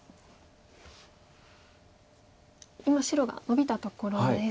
今白がノビたところです。